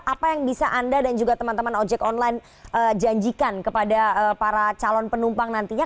apa yang bisa anda dan juga teman teman ojek online janjikan kepada para calon penumpang nantinya